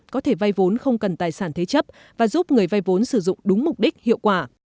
có thể vay vốn không cần tài sản thế chấp và giúp người vay vốn sử dụng đúng mục đích hiệu quả